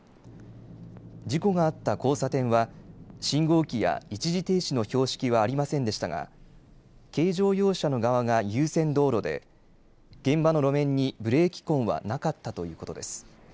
事故があった交差点は信号機や一時停止の標識はありませんでしたが軽乗用車の側が優先道路で現場の路面にブレーキ痕はなかったということです。